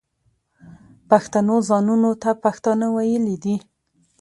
پښتنو ځانونو ته پښتانه ویلي دي.